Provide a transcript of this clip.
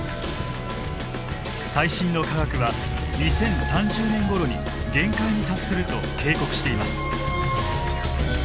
最新の科学は２０３０年ごろに限界に達すると警告しています。